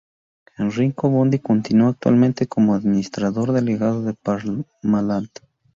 Enrico Bondi continúa actualmente como administrador delegado de Parmalat.